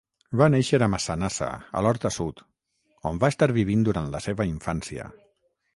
Va néixer a Massanassa a l'Horta Sud, on va estar vivint durant la seva infància.